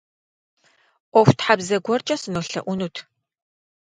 Ӏуэхутхьэбзэ гуэркӏэ сынолъэӏунут.